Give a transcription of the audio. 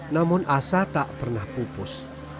namun asa tak pernah pupus